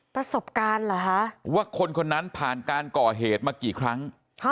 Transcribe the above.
ประสบการณ์เหรอคะว่าคนคนนั้นผ่านการก่อเหตุมากี่ครั้ง